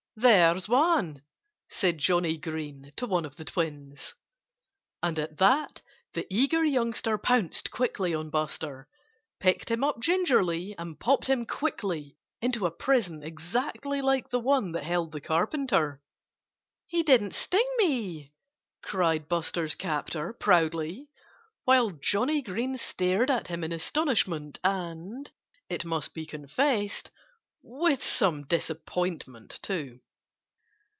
"There's one!" said Johnnie Green to one of the twins. And at that the eager youngster pounced quickly on Buster, picked him up gingerly, and popped him quickly into a prison exactly like the one that held the Carpenter. "He didn't sting me!" cried Buster's captor proudly, while Johnnie Green stared at him in astonishment and it must be confessed with some disappointment, too.